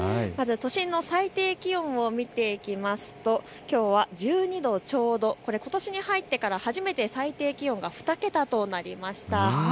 まず都心の最低気温を見ていきますときょうは１２度ちょうど、ことしに入ってから初めて最低気温が２桁となりました。